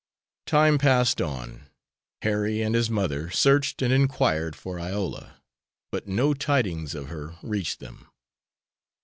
Time passed on. Harry and his mother searched and inquired for Iola, but no tidings of her reached them.